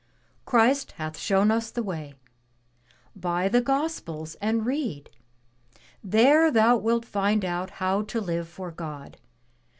*'* 'Christ hath shown us the way. Buy the Gospels and read. There thou wilt find out how to live for God.